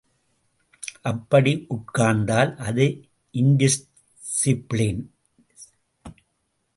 அப்படி உட்கார்ந்தால் அது இன்டிஸ்ஸிப்ளின்.